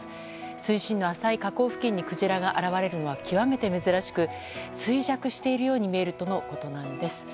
水深の浅い河口付近にクジラが現れるのは極めて珍しく衰弱しているように見えるとのことなんです。